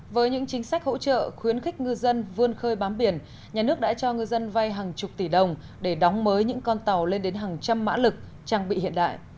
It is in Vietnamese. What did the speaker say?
với những chính sách hỗ trợ khuyến khích ngư dân vươn khơi bám biển nhà nước đã cho ngư dân vay hàng chục tỷ đồng để đóng mới những con tàu lên đến hàng trăm mã lực trang bị hiện đại